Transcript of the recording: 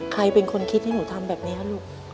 ใครเป็นคนคิดให้หนูทำแบบนี้ลูก